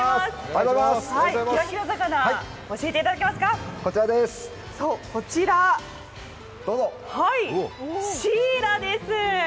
キラキラ魚、教えていただけますかシイラです。